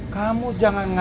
kamu jangan ngajak